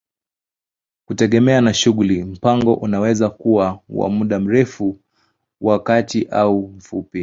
Kutegemea na shughuli, mpango unaweza kuwa wa muda mrefu, wa kati au mfupi.